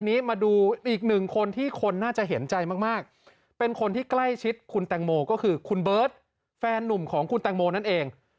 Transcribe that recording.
มาดูอีกหนึ่งคนที่คนน่าจะเห็นใจมากมากเป็นคนที่ใกล้ชิดคุณแตงโมก็คือคุณเบิร์ตแฟนหนุ่มของคุณแตงโมนั่นเอง